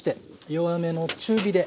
弱めの中火で。